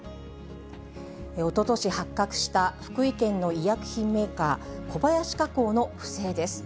おととし発覚した、福井県の医薬品メーカー、小林化工の不正です。